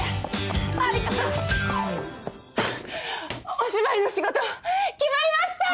お芝居の仕事決まりました！